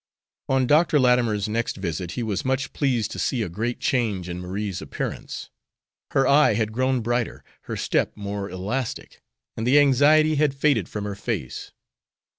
On Dr. Latimer's next visit he was much pleased to see a great change in Marie's appearance. Her eye had grown brighter, her step more elastic, and the anxiety had faded from her face.